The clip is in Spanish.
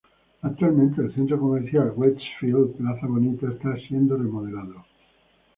Actualmente el centro comercial Westfield Plaza Bonita está siendo remodelado.